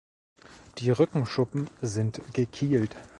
Die Rückenschuppen sind gekielt.